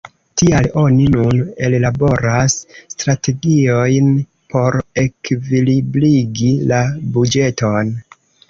Tial oni nun ellaboras strategiojn por ekvilibrigi la buĝeton.